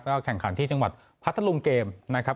แข่งขันที่จังหวัดพัทธรุงเกมนะครับ